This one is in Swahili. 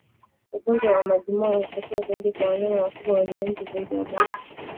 Ugonjwa wa majimoyo hutokea zaidi kwa wanyama wakubwa wenye umri zaidi ya mwaka